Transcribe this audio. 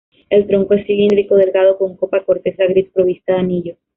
El tronco es cilíndrico, delgado, con copa, corteza gris provista de anillos.